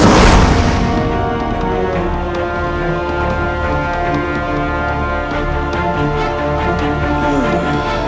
ni mas brah sini